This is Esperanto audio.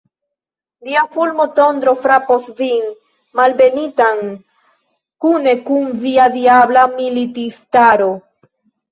Dia fulmotondro frapos vin, malbenitan, kune kun via diabla militistaro!